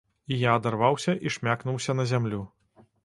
І я адарваўся і шмякнуўся на зямлю.